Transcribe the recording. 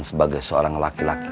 sebagai seorang laki laki